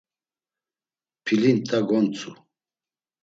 Pilinta gontzu.